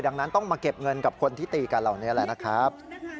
ดังนั้นต้องมาเก็บเงินกับคนที่ตีกันเหล่านี้แหละนะครับ